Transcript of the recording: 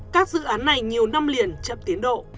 các dự án này nhiều năm liền chậm tiến độ